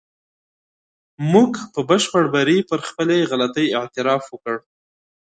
موږ په بشپړ بري پر خپلې غلطۍ اعتراف وکړ.